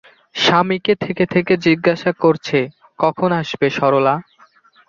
স্বামীকে থেকে থেকে জিজ্ঞাসা করছে, কখন আসবে সরলা।